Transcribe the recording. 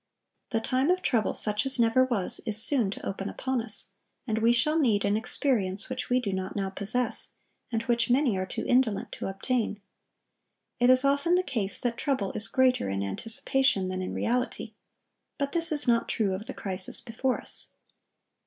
The "time of trouble such as never was," is soon to open upon us; and we shall need an experience which we do not now possess, and which many are too indolent to obtain. It is often the case that trouble is greater in anticipation that in reality; but this is not true of the crisis before us.